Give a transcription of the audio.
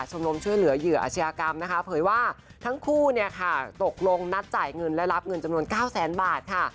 ชมรมช่วยเหลือเหยื่ออาชญากรรมนะคะเผยว่าทั้งคู่เนี่ยค่ะตกลงนัดจ่ายเงินและรับเงินจำนวน๙แสนบาทค่ะ